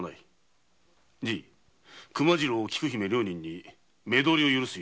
じぃ熊次郎菊姫の両人に目通り許す